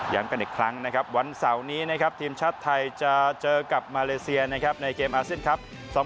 กันอีกครั้งนะครับวันเสาร์นี้นะครับทีมชาติไทยจะเจอกับมาเลเซียนะครับในเกมอาเซียนครับ